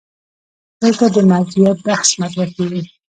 دلته د مرجعیت بحث مطرح کېږي.